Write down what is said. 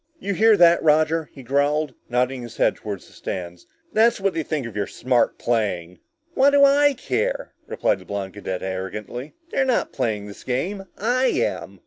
"You hear that, Roger?" he growled, nodding his head toward the stands. "That's what they think of your smart playing!" "What do I care?" replied the blond cadet arrogantly. "They're not playing this game! I am!"